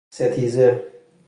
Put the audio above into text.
ستیزه